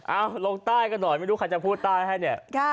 เอาลงใต้กันหน่อยไม่รู้ใครจะพูดใต้ให้เนี่ย